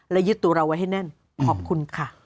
และยึดตัวเราไว้ให้แน่นขอบคุณค่ะ